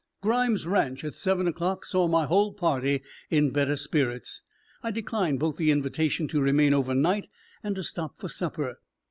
Grimes' ranch at seven o'clock saw my whole party in better spirits. I declined both the invitation to remain over night and to stop for supper.